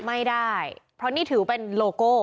ไม่ได้เพราะนี่ถือเป็นโลโก้